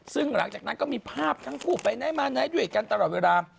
ซึ่งหลังจากนั้นก็มีภาพทั้งคู่ไปไหนมาไหนด้วยกันตลอดเวลา